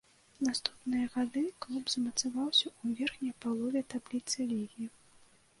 Наступныя гады клуб замацаваўся ў верхняй палове табліцы лігі.